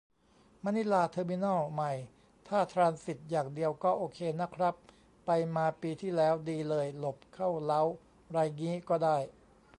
มะนิลาเทอร์มินอลใหม่ ถ้าทรานสิตอย่างเดียวก็โอเคนะครับ ไปมาปีที่แล้ว ดีเลย หลบเข้าเลาจน์ไรงี้ก็ได้